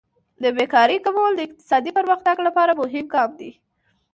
د بیکارۍ کمول د اقتصادي پرمختګ لپاره مهم ګام دی.